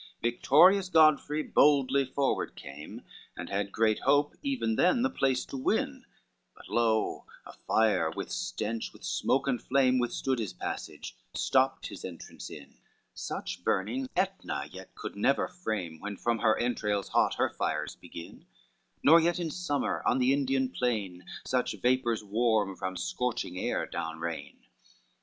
LXXXIII Victorious Godfrey boldly forward came, And had great hope even then the place to win; But lo, a fire, with stench, with smoke and flame Withstood his passage, stopped his entrance in: Such burning Aetna yet could never frame, When from her entrails hot her fires begin, Nor yet in summer on the Indian plain, Such vapors warm from scorching air down rain.